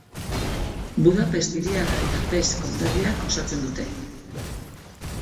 Budapest hiriak eta Pest konderriak osatzen dute.